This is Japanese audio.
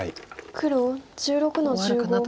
黒１６の十五。